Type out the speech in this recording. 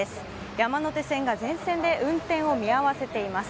山手線が全線で運転を見合わせています。